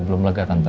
belum lega tante